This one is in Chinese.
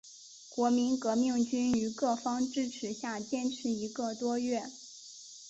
国民革命军于各方支持下坚持一个多月。